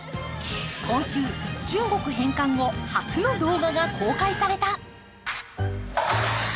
今週、中国返還後、初の動画が公開された。